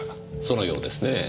そのようですねぇ。